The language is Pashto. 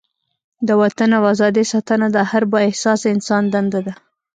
د وطن او ازادۍ ساتنه د هر با احساسه انسان دنده ده.